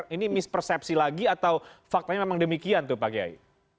ini mispersepsi lagi atau faktanya memang demikian tuh pak kiai